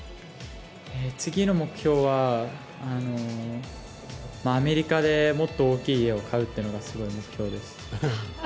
次の目標はアメリカでもっと大きい家を買うというのが目標です。